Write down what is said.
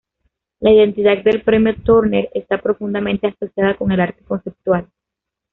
La identidad del premio Turner está profundamente asociada con el arte conceptual.